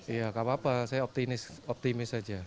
ya gak apa apa saya optimis optimis saja